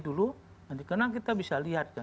dulu nanti kenang kita bisa lihat